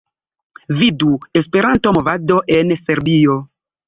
Vidu: "Esperanto-movado en Serbio"